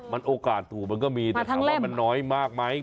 มันโอกาสถูกมันก็มีแต่ถามว่ามันน้อยมากไหม